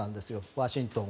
ワシントンを。